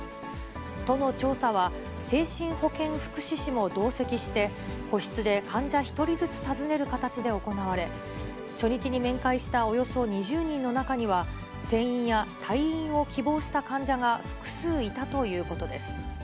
都の調査は、精神保健福祉士も同席して、個室で患者１人ずつ尋ねる形で行われ、初日に面会したおよそ２０人の中には、転院や退院を希望した患者が複数いたということです。